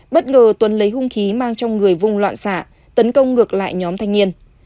bất ngờ tuấn lấy hung khí mang trong người vung loạn xạ tấn công ngược lại nhóm thanh niên